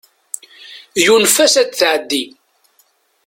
Yunef-as ad tɛeddi.